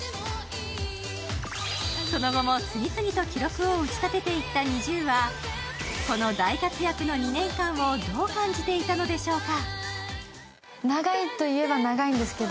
その後も次々と記録を打ち立てていったＮｉｚｉＵは、この大活躍の２年間をどう感じていたのでしょうか。